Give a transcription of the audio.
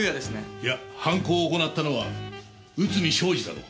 いや犯行を行ったのは内海将司だろう。